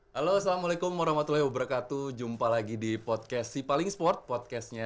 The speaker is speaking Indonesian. halo assalamualaikum warahmatullahi wabarakatuh jumpa lagi di podcast si paling sport podcastnya